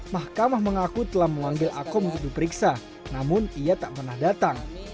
mahkamah mengaku telah memanggil akom untuk diperiksa namun ia tak pernah datang